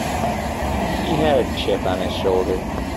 He had a chip on his shoulder.